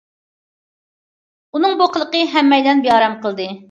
ئۇنىڭ بۇ قىلىقى ھەممەيلەننى بىئارام قىلدى.